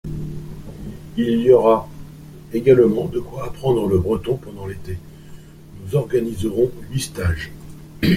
Il y aura également de quoi apprendre le breton pendant l’été : nous organiserons huit stages.